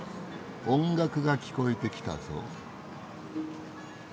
音楽が聞こえてきたぞ。